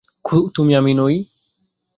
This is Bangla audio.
তুমি আমি নই।